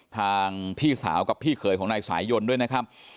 ทางพี่สาวกับพี่เขยของนายสายยนด้วยนะครับ